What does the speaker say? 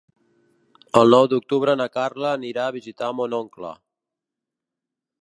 El nou d'octubre na Carla anirà a visitar mon oncle.